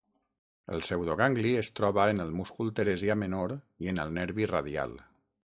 El pseudogangli es troba en el múscul teresià menor i en el nervi radial.